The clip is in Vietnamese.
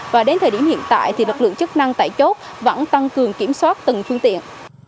và đến thời điểm hiện tại thì lực lượng chức năng tại chốt vẫn tăng cường kiểm soát từng phương tiện